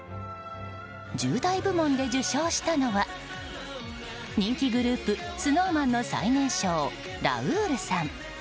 １０代部門で受賞したのは人気グループＳｎｏｗＭａｎの最年少、ラウールさん。